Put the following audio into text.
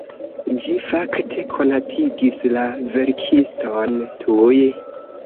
Ĝi fakte konatigis la verkiston tuj.